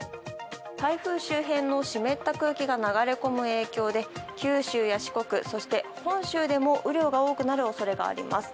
台風周辺の湿った空気が流れ込む影響で九州や四国そして本州でも雨量が多くなる恐れがあります。